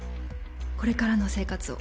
これからの生活を。